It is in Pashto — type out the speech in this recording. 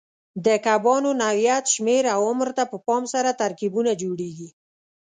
د کبانو نوعیت، شمېر او عمر ته په پام سره ترکیبونه جوړېږي.